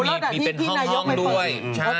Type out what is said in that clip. มีเป็นห้องด้วย